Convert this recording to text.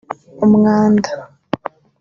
umwanda